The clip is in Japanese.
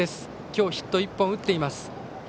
今日ヒット１本打っています。